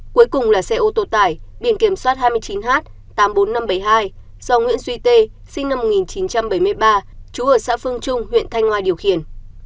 cuối cùng là xe ô tô tải biển kiểm soát hai mươi chín h tám mươi bốn nghìn năm trăm bảy mươi hai do nguyễn duy tê sinh năm một nghìn chín trăm bảy mươi ba trú ở xã phương trung huyện thanh ngoai điều khiển